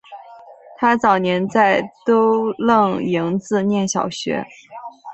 他早年在都楞营子念小学。